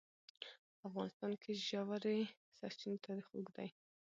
په افغانستان کې د ژورې سرچینې تاریخ اوږد دی.